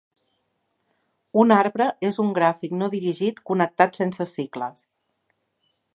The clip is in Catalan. Un arbre és un gràfic no dirigit connectat sense cicles.